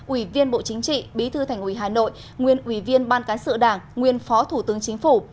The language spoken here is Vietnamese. ủy viên bộ chính trị bí thư thành ủy hà nội nguyên ủy viên ban cán sự đảng nguyên phó thủ tướng chính phủ